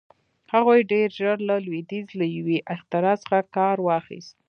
هغوی ډېر ژر له لوېدیځ له یوې اختراع څخه کار واخیست.